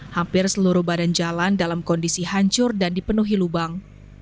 hampir seluruh badan jalan dalam kondisi hancur dan dipenuhi lubang